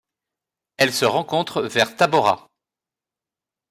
Elle se rencontre vers Tabora.